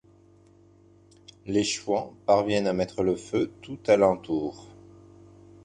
Les Chouans parviennent à mettre le feu tout à l'entour.